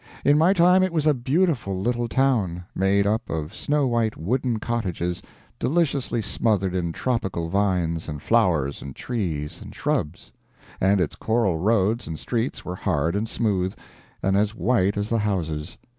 In my time it was a beautiful little town, made up of snow white wooden cottages deliciously smothered in tropical vines and flowers and trees and shrubs; and its coral roads and streets were hard and smooth, and as white as the houses.